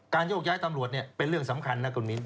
โยกย้ายตำรวจเป็นเรื่องสำคัญนะคุณมิ้น